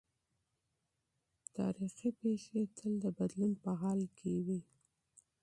تاریخي جریانات تل د بدلون په حال کي دي.